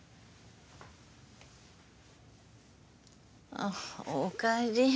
あっおかえり